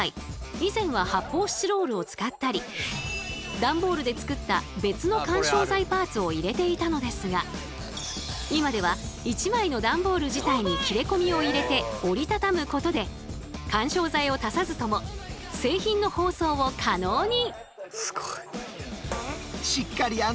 以前は発泡スチロールを使ったり段ボールで作った別の緩衝材パーツを入れていたのですが今では１枚の段ボール自体に切れ込みを入れて折り畳むことで緩衝材を足さずとも製品の包装を可能に。